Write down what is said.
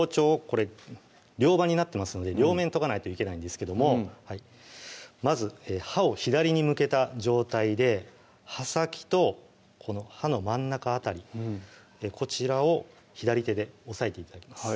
これ両刃になってますので両面研がないといけないんですけどもまず刃を左に向けた状態で刃先とこの刃の真ん中辺りこちらを左手で押さえて頂きます